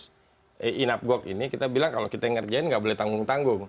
di pengurus in up box ini kita bilang kalau kita ngerjain nggak boleh tanggung tanggung